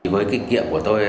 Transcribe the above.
với kinh nghiệm của tôi